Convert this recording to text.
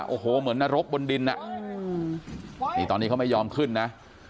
โอ้โหเหมือนนรกบนดินอ่ะนี่ตอนนี้เขาไม่ยอมขึ้นนะ